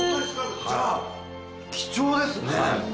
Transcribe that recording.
じゃあ貴重ですね。